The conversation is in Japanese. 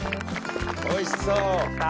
おいしそう！